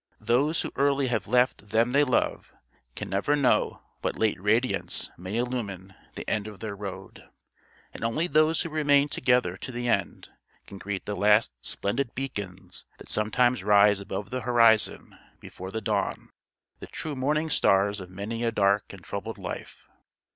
Those who early have left them they love can never know what late radiance may illumine the end of their road. And only those who remain together to the end can greet the last splendid beacons that sometimes rise above the horizon before the dawn the true morning stars of many a dark and troubled life.